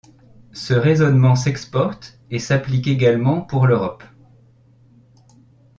Ce raisonnement s'exporte et s'applique également pour l'Europe.